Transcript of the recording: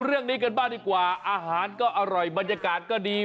เรื่องนี้กันบ้างดีกว่าอาหารก็อร่อยบรรยากาศก็ดี